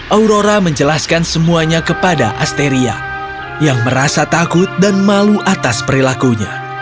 aurora menjelaskan semuanya kepada asteria yang merasa takut dan malu atas perilakunya